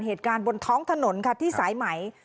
เหตุการณ์บนท้องถนนค่ะที่สายไหม